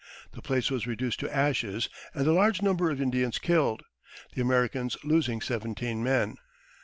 The place was reduced to ashes and a large number of Indians killed, the Americans losing seventeen men.